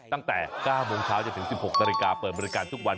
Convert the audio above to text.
ตั้งแต่๙โมงเช้าจนถึง๑๖นาฬิกาเปิดบริการทุกวัน